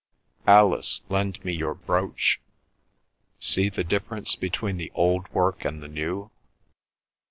Alice, lend me your brooch. See the difference between the old work and the new."